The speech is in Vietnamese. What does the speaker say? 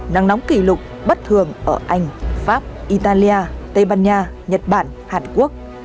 nắng nóng kỷ lục bất thường ở anh pháp italia tây ban nha nhật bản hàn quốc